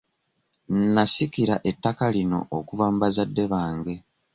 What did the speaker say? Nasikira ettaka lino okuva ku bazadde bange.